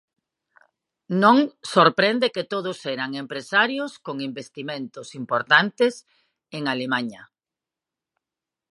Non sorprende que todos eran empresarios con investimentos importantes en Alemaña.